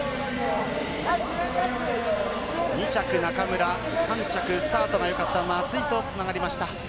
２着、中村３着、スタートがよかった松井とつながりました。